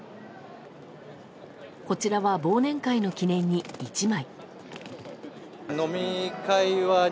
こちらは忘年会の記念に１枚。